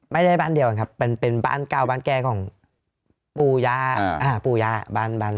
ไม่ได้บ้านเดียวครับเป็นบ้านเก่าบ้านแก้ของปู่ยาบ้าน